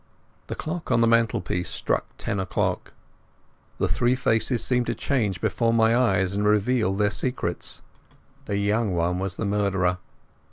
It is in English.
The clock on the mantelpiece struck ten o'clock. The three faces seemed to change before my eyes and reveal their secrets. The young one was the murderer.